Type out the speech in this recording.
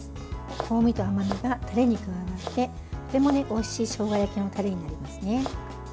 香味と甘みがタレに加わってとてもおいしいしょうが焼きのタレになりますね。